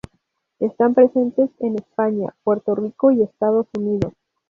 Están presentes en España, Puerto Rico y Estados Unidos.